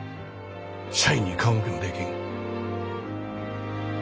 社員に顔向けもできん。